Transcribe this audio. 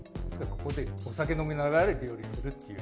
ここでお酒飲みながら、料理をするっていう。